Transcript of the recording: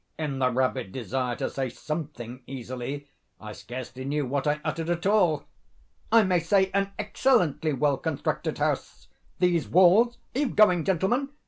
(In the rabid desire to say something easily, I scarcely knew what I uttered at all.)—"I may say an excellently well constructed house. These walls—are you going, gentlemen?